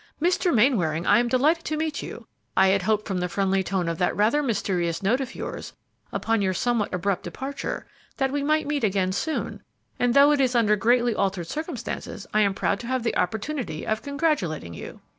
"Mr. Mainwaring, I am delighted to meet you. I had hoped from the friendly tone of that rather mysterious note of yours, upon your somewhat abrupt departure, that we might meet again soon, and, though it is under greatly altered circumstances, I am proud to have the opportunity of congratulating you."